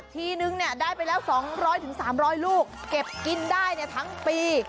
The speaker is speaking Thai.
ทีนึงเนี่ยได้ไปแล้ว๒๐๐๓๐๐ลูกเก็บกินได้เนี่ยทั้งปี